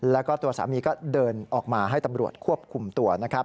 แล้วก็ตัวสามีก็เดินออกมาให้ตำรวจควบคุมตัวนะครับ